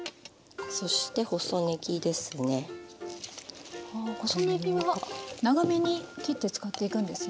あ細ねぎは長めに切って使っていくんですね。